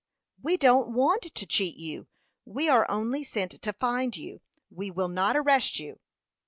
"We don't want to cheat you. We are only sent to find you. We will not arrest you."